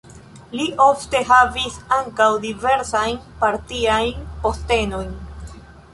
Li ofte havis ankaŭ diversajn partiajn postenojn.